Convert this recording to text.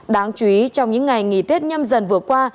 đáng chú ý trong những ngày nghỉ tết nhâm dần vừa qua